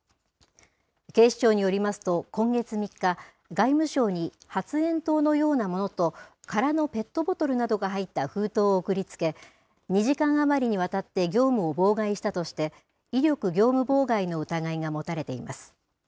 警視庁によりますと、今月３日、外務省に発炎筒のようなものと、空のペットボトルなどが入った封筒を送りつけ、２時間余りにわたって業務を妨害したとして、威力業務妨害の疑いが持たれています。